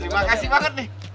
terima kasih banget nih